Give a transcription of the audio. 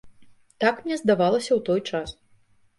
Так мне здавалася ў той час.